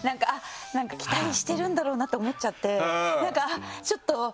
期待してるんだろうなって思っちゃって。